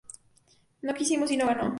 No quisimos y no ganó".